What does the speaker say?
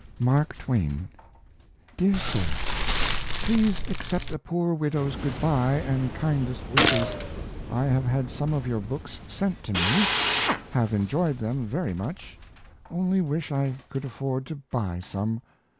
MARK TWAIN. DEAR SIR, Please accept a poor widow's good by and kindest wishes. I have had some of your books sent to me; have enjoyed them very much only wish I could afford to buy some.